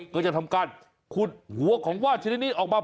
ก็จะทำการคนหัวเป็นว่านภาพชนิดนี้ออกมา